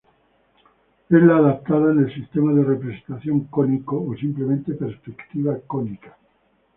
Es la adoptada en el sistema de representación cónico, o simplemente perspectiva cónica.